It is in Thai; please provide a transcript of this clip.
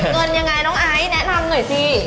เงินยังไงน้องไอซ์แนะนำหน่อยสิ